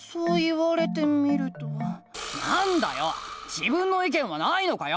自分の意見はないのかよ！